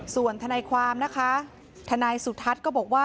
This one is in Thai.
ส่วนทนายความนะคะทนายสุทัศน์ก็บอกว่า